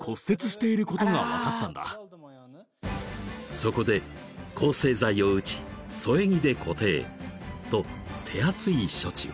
［そこで抗生剤を打ち添え木で固定と手厚い処置を］